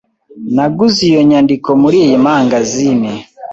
Naguze iyo nyandiko muriyi mangazini.